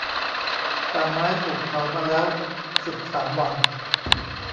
ป่าไม้ถูกเผามาแล้วสิบสามวัน